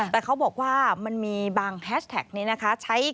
แต่เขาบอกว่ามันมีบางแฮชแท็กนี้นะคะ